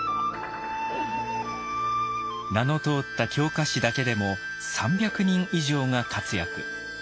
名の通った狂歌師だけでも３００人以上が活躍。